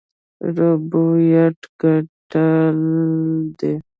ربوبیت ګټل دی.